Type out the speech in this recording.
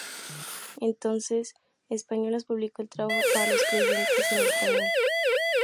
Ediciones Españolas publicó el trabajo para los creyentes en español.